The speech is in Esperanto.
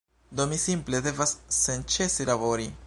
Do mi simple devas senĉese labori.